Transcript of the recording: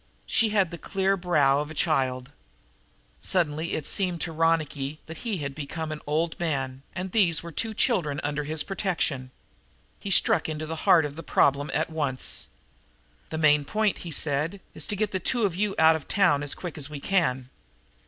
She had the clear brow of a child. Suddenly, it seemed to Ronicky that he had become an old man, and these were two children under his protection. He struck into the heart of the problem at once. "The main point," he said, "is to get you two out of town, as quick as we can.